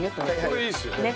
これいいですよね。